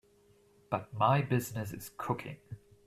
But my business is cooking.